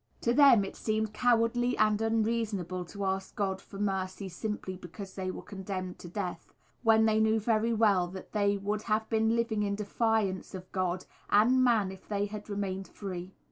To them it seemed cowardly and unreasonable to ask God for mercy simply because they were condemned to death, when they knew very well that they would have been living in defiance of God and man if they had remained free.